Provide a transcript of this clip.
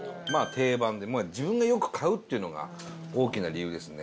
定番で自分がよく買うっていうのが大きな理由ですね。